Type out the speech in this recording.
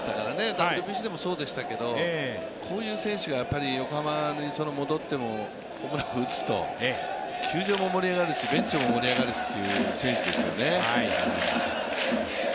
ＷＢＣでもそうでしたけれどもこういう選手が横浜に戻ってもホームランを打つと球場も盛り上がるしベンチも盛り上がるしという選手ですよね。